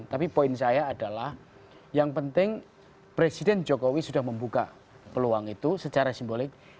tapi poin saya adalah yang penting presiden jokowi sudah membuka peluang itu secara simbolik